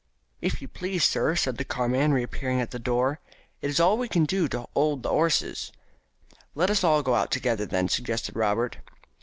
"If you please, sir," said the carman, reappearing at the door, "it's all as we can do to 'old in the 'osses." "Let us all go out together then," suggested Robert.